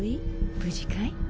無事かい？